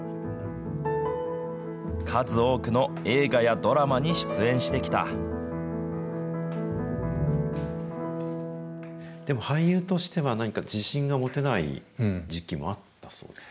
数多くの映画やドラマに出演してでも、俳優としては何か自信が持てない時期もあったそうですね。